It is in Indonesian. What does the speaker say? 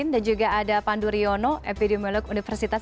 dan juga ada pandu riono epidemiologi universitas